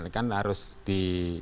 kan harus di